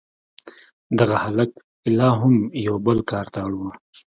دغه هلک لا هم یو بل کار ته اړ و